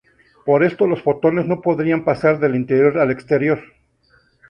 Por esto los fotones no podrían pasar del interior al exterior.